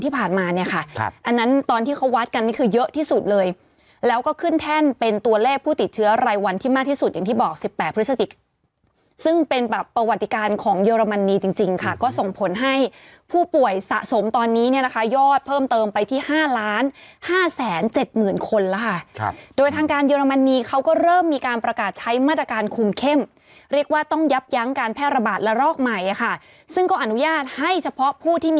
ผ่านมาเนี่ยค่ะอันนั้นตอนที่เขาวัดกันคือเยอะที่สุดเลยแล้วก็ขึ้นแท่นเป็นตัวแรกผู้ติดเชื้อรายวันที่มากที่สุดอย่างที่บอก๑๘พฤศจิกซ์ซึ่งเป็นแบบประวัติการของเยอรมนีจริงค่ะก็ส่งผลให้ผู้ป่วยสะสมตอนนี้เนี่ยนะคะยอดเพิ่มเติมไปที่๕๕๗๐๐๐๐คนล่ะค่ะโดยทางการเยอรมนีเขาก็เริ่มมีการประ